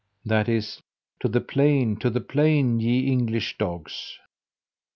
that is, "To the plain, to the plain, ye English dogs!"